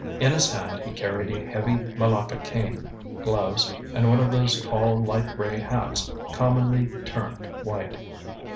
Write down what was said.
In his hand he carried a heavy malacca cane, gloves, and one of those tall, light gray hats commonly termed white.